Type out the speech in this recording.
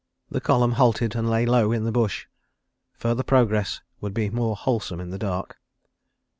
The column halted and lay low in the bush. Further progress would be more wholesome in the dark.